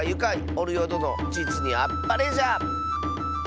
おるよどのじつにあっぱれじゃ！